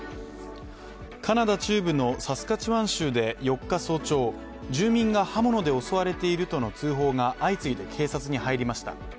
カナダ中部のサスカチワン州で４日早朝、住民が刃物で襲われているとの通報が相次いで警察に入りました。